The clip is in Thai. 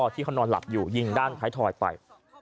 ที่เขานอนหลับอยู่ยิงด้านท้ายถอยไป